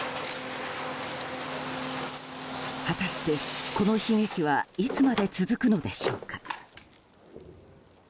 果たして、この悲劇はいつまで続くのでしょうか。